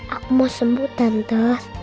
aku mau sembuh tante